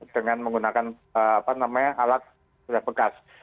dengan menggunakan alat bekas